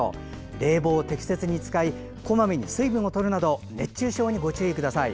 冷房を適切に使いこまめに水分を取るなど熱中症にご注意ください。